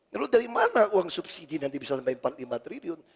lalu dari mana uang subsidi nanti bisa sampai empat puluh lima triliun